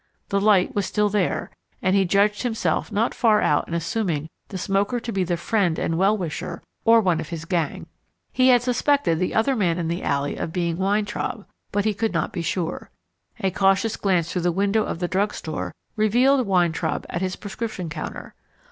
The light was still there, and he judged himself not far out in assuming the smoker to be the friend and well wisher or one of his gang. He had suspected the other man in the alley of being Weintraub, but he could not be sure. A cautious glance through the window of the drug store revealed Weintraub at his prescription counter.